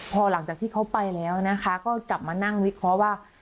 พอหลังจากที่เขาไปแล้วนะคะก็กลับมานั่งวิเคราะห์ว่า